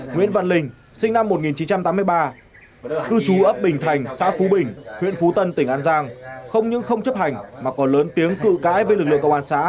nguyễn văn linh sinh năm một nghìn chín trăm tám mươi ba cư trú ấp bình thành xã phú bình huyện phú tân tỉnh an giang